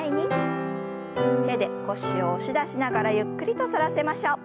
手で腰を押し出しながらゆっくりと反らせましょう。